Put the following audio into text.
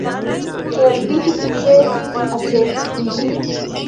Kiel vi sukcesis aĉeti ilin?